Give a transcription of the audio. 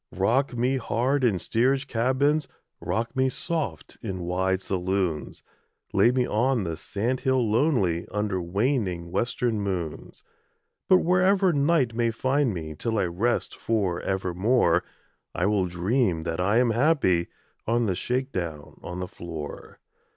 Rock me hard in steerage cabins, Rock me soft in wide saloons, Lay me on the sand hill lonely Under waning western moons; But wherever night may find me Till I rest for evermore I will dream that I am happy On the shake down on the floor.